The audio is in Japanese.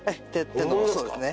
手のそうですね。